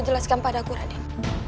jelaskan padaku raden